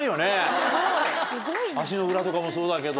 足の裏とかもそうだけど。